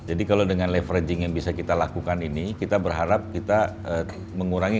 jadi kalau dengan leveraging yang bisa kita lakukan ini kita berharap kita mengurangi